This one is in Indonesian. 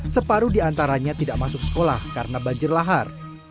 separuh diantaranya tidak masuk sekolah karena banjir lahar